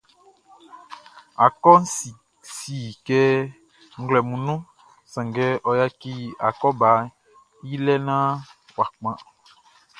Akɔʼn si kɛ nglɛmun nunʼn, sanngɛ ɔ yaci akɔbaʼn i lɛ naan ɔ kpan.